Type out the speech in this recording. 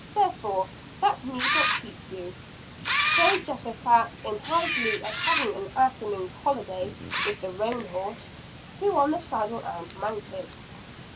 Therefore that need not keep you." So Jehosaphat, in high glee at having an afternoon's holiday, with the roan horse, threw on the saddle and mounted.